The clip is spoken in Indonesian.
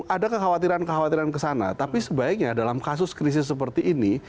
ada kekhawatiran kekhawatiran kesana tapi sebaiknya dalam kasus krisis seperti ini